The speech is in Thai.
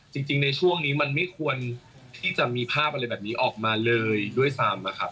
จริงในช่วงนี้มันไม่ควรที่จะมีภาพอะไรแบบนี้ออกมาเลยด้วยซ้ำอะครับ